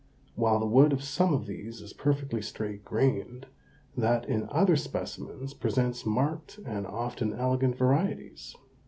While the wood of some of these is perfectly straight grained, that in other specimens presents marked and often elegant varieties.